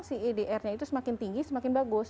cedr nya itu semakin tinggi semakin bagus